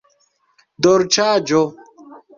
dolĉaĵo